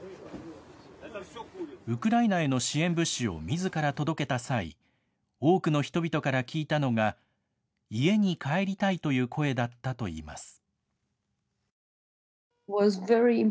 ウクライナへの支援物資をみずから届けた際、多くの人々から聞いたのが、家に帰りたいという声だったといいます。